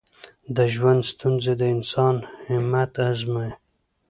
د ژوند ستونزې د انسان همت ازمويي.